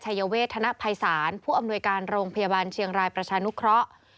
ชัยเวทธนภัยศาลผู้อำนวยการโรงพยาบาลเชียงรายประชานุเคราะห์